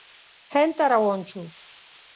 هند ته روان شو.